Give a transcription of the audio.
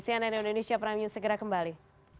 cnn indonesia prime news segera kembali